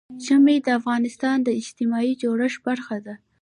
ژمی د افغانستان د اجتماعي جوړښت برخه ده.